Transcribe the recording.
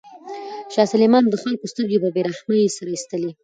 شاه سلیمان به د خلکو سترګې په بې رحمۍ سره ایستلې.